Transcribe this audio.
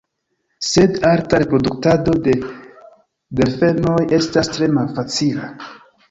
Sed arta reproduktado de delfenoj estas tre malfacila.